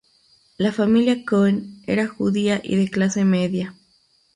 La familia Coen era judía y de clase media.